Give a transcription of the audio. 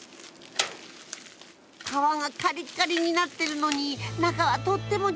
皮がカリッカリになってるのに中はとってもジューシー。